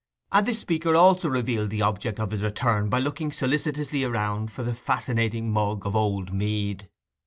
And this speaker also revealed the object of his return by looking solicitously round for the fascinating mug of old mead.